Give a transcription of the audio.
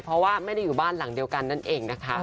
เพราะว่าไม่ได้อยู่บ้านหลังเดียวกันนั่นเองนะคะ